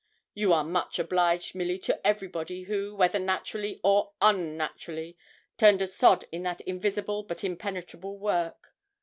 You are much obliged, Milly, to everybody who, whether naturally or un naturally, turned a sod in that invisible, but impenetrable, work.